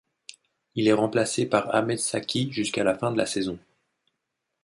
Il est remplacé par Ahmed Çakı jusqu'à la fin de la saison.